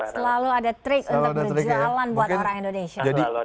selalu ada trik untuk berjalan buat orang indonesia